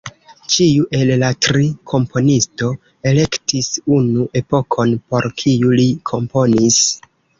Ĉiu el la tri komponisto elektis unu epokon, por kiu li komponis.